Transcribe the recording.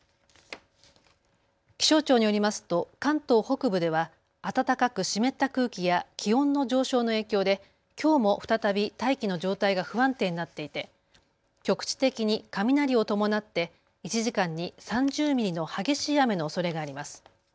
気象庁によりますと関東北部では暖かく湿った空気や気温の上昇の影響できょうも再び大気の状態が不安定になっていて局地的に雷を伴って１時間に３０ミリの激しい雨のおそれがあります。